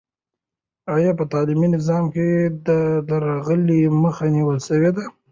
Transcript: آیا په تعلیمي نظام کې د درغلۍ مخه نیول سوې ده؟